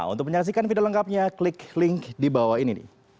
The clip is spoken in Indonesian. untuk menyaksikan video lengkapnya klik link di bawah ini